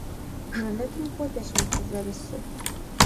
Жэнэтым хуэдэщ мы фызэрысыр.